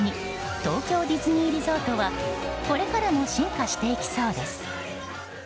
東京ディズニーリゾートはこれからも進化していきそうです。